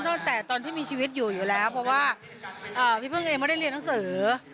ตั้งแต่ตอนที่มีชีวิตอยู่อยู่แล้วเพราะว่าพี่พึ่งเองไม่ได้เรียนหนังสือ